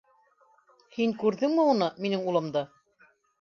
Һин күрҙеңме уны, минең улымды?